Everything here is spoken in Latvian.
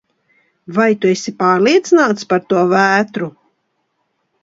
Vai tu esi pārliecināts par to vētru?